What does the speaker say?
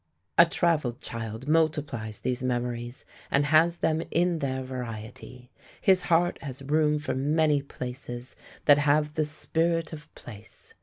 A travelled child multiplies these memories and has them in their variety. His heart has room for many places that have the spirit of place.